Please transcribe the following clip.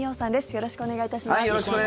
よろしくお願いします。